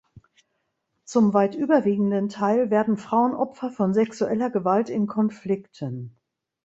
Zum weit überwiegenden Teil werden Frauen Opfer von sexueller Gewalt in Konflikten.